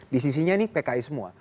di sisinya ini pki semua